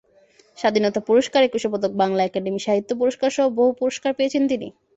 স্বাধীনতা পুরস্কার, একুশে পদক, বাংলা একাডেমি সাহিত্য পুরস্কারসহ বহু পুরস্কার পেয়েছেন তিনি।